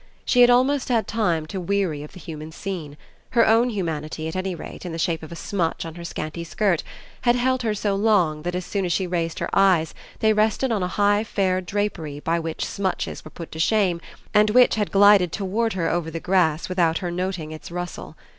She had almost had time to weary of the human scene; her own humanity at any rate, in the shape of a smutch on her scanty skirt, had held her so long that as soon as she raised her eyes they rested on a high fair drapery by which smutches were put to shame and which had glided toward her over the grass without her noting its rustle.